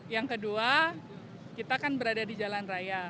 yang kedua kita kan berada di jalan raya